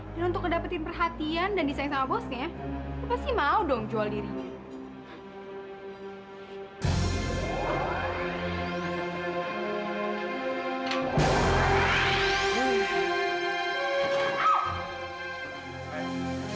dan untuk ngedapetin perhatian dan disayangin sama bosnya lo pasti mau dong jual dirinya